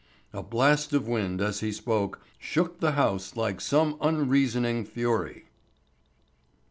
A blast of wind, as he spoke, shook the house like some unreasoning fury.